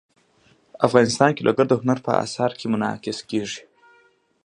افغانستان کې لوگر د هنر په اثار کې منعکس کېږي.